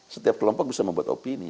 setiap kelompok bisa membuat opini